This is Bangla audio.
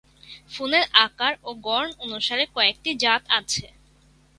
ফুলের আকার ও গড়ন অনুসারে কয়েকটি জাত আছে।